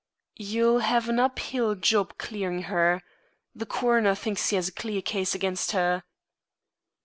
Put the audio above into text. "You'll have an uphill job clearing her. The coroner thinks he has a clear case against her."